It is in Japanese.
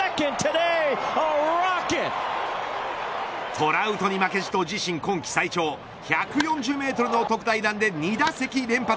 トラウトに負けじと自身、今季最長１４０メートルの特大弾で２打席連発。